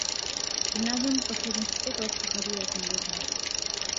Gymnázium posledních pět let prochází velkou modernizací.